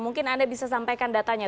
mungkin anda bisa sampaikan datanya